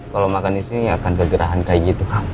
kalau makan disini gak akan kegerahan kayak gitu